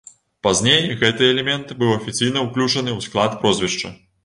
Пазней гэты элемент быў афіцыйна ўключаны ў склад прозвішча.